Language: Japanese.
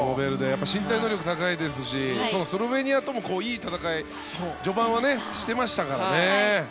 身体能力が高いですしスロベニアともいい戦い序盤はしていましたからね。